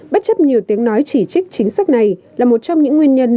bất chấp nhiều tiếng nói chỉ trích chính sách này là một trong những nguyên nhân